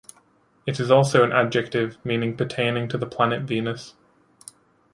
It is also an adjective meaning "pertaining to the planet Venus".